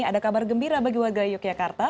ada kabar gembira bagi warga yogyakarta